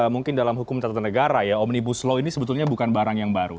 mungkin dalam hukum tata negara ya omnibus law ini sebetulnya bukan barang yang baru